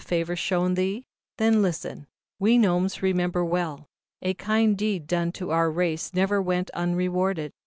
favor shown thee then listen. We Gnomes remember well. A kind deed done to our race never yet went unrewarded.